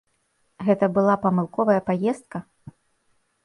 Гэта была памылковая паездка?